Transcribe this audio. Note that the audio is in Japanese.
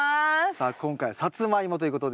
さあ今回はサツマイモということで。